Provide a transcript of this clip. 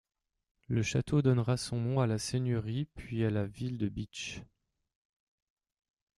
Le château donnera son nom à la seigneurie puis à la ville de Bitche.